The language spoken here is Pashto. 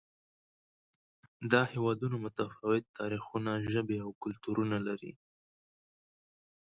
دا هېوادونه متفاوت تاریخونه، ژبې او کلتورونه لري.